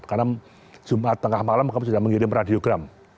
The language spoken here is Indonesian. karena jumat tengah malam kami sudah mengirim radiogram